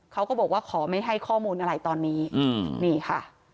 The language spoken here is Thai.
เขาก็บอกว่าขอไม่ให้ข้อมูลอะไรตอนนี้นี่ค่ะ